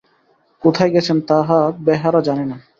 কোথায় গেছেন তাহা বেহারা জানে না।